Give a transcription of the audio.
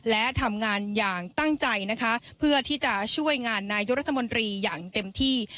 และทำงานอย่างตั้งใจนะคะเพื่อที่จะช่วยงานนายกรัฐมนตรีอย่างเต็มที่